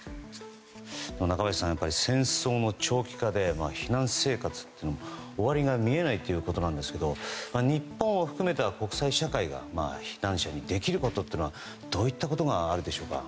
中林さん、戦争の長期化で避難生活は終わりが見えないということなんですが日本を含めた国際社会が避難者にできることはどういったことがあるでしょうか。